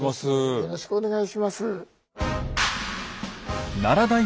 よろしくお願いします。